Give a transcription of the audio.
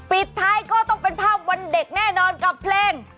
ปิดท้ายก็ต้องเป็นภาพวันเด็กแน่นอนกับเพลง